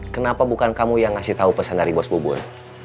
kenapa bukan kamu yang ngasih tahu pesan dari bos bubur